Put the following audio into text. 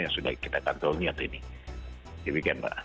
yang sudah kita kantongi